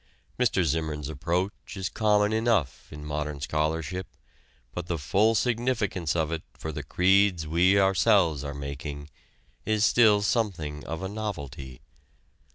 Mr. Zimmern's approach is common enough in modern scholarship, but the full significance of it for the creeds we ourselves are making is still something of a novelty.